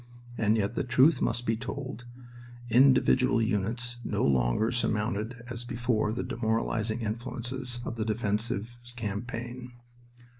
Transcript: "And yet the truth must be told; individual units no longer surmounted as before the demoralizing influences of the defensive campaign.